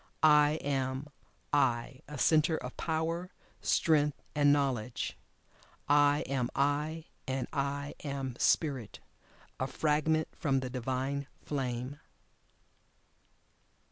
I am "I" a Centre of Power, Strength, and Knowledge. I am "I" and "I" am Spirit, a fragment from the Divine Flame.